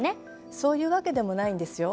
そういうわけでもないんですよ。